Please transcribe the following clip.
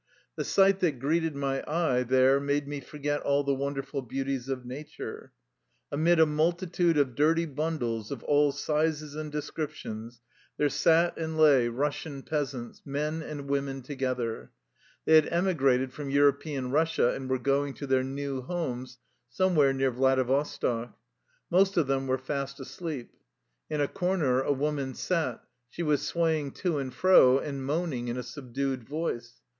The sight that greeted my eye there made me forget all the wonderful beauties of nature. Amid a multitude of dirty bundles of all sizes and descriptions, there sat and lay Eussian 230 THE LIFE STOKY OF A EUSSIAN EXILE peasants, men and women together. They had emigrated from European Eussia and were go ing to their new homes, somewhere near Vladi vostok. Most of them were fast asleep. In a corner a woman sat. She was swaying to and fro and moaning in a subdued voice.